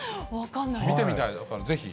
見てみたい、ぜひ。